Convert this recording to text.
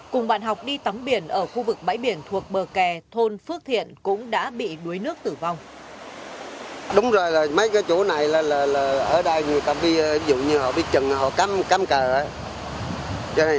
cùng bạn học đi tắm biển ở khu vực bãi biển thuộc bờ kè thôn phước thiện cũng đã bị đuối nước tử vong